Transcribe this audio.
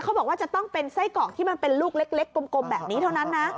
บอกว่าจะต้องเป็นไส้กรอกที่มันเป็นลูกเล็กกลมแบบนี้เท่านั้นนะ